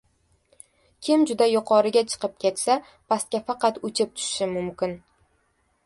• Kim juda yuqoriga chiqib ketsa, pastga faqat uchib tushishi mumkin.